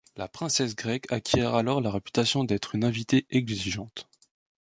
La princesse grecque acquiert alors la réputation d'être une invitée exigeante.